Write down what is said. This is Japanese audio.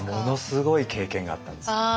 ものすごい経験があったんですよ。